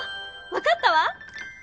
わかったわ！